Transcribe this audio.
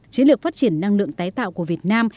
chế lực phát triển năng lượng tái tạo của việt nam